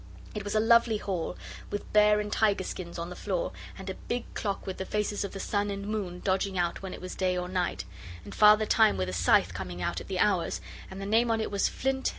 It was a lovely hall, with bear and tiger skins on the floor, and a big clock with the faces of the sun and moon dodging out when it was day or night, and Father Time with a scythe coming out at the hours, and the name on it was 'Flint.